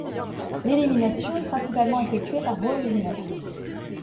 L'élimination est principalement effectuée par voie urinaire.